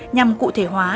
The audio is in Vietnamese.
nhằm cụ thể hóa